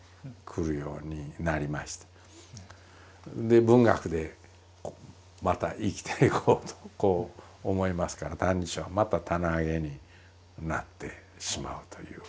で文学でまた生きていこうとこう思いますから「歎異抄」はまた棚上げになってしまうという。